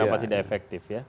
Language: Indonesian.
kenapa tidak efektif ya